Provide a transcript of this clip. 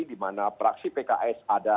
di mana praksi pks ada